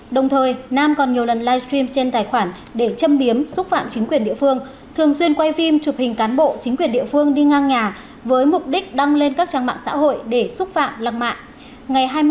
đồng thời nam còn nhiều lần livestream trên tài khoản để châm biếm xúc phạm chính quyền địa phương thường xuyên quay phim chụp hình cán bộ chính quyền địa phương đi ngang nhà với mục đích đăng lên các trang mạng xã hội để xúc phạm lăng mạng